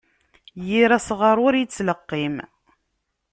Yir asɣar ur yettleqqim.